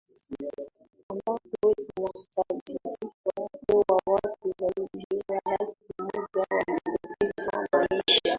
ambapo inakadiriwa kuwa watu zaidi ya laki moja walipoteza maisha